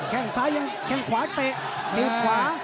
แข่งซ้ายแข่งขวาเตะเตะขวา